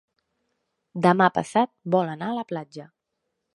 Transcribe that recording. Demà passat vol anar a la platja.